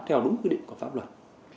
theo đúng quy định của pháp luật